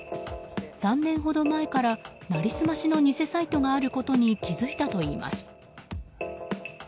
３年ほど前から、なりすましの偽サイトがあることに気づいたといいます。